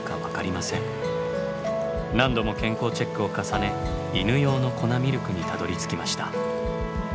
何度も健康チェックを重ね犬用の粉ミルクにたどりつきました。